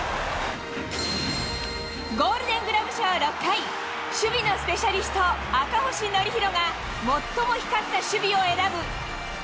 ゴールデングラブ賞６回、守備のスペシャリスト、赤星憲広が、最も光った守備を選ぶ！